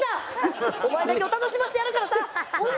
お前だけを楽しませてやるからさ！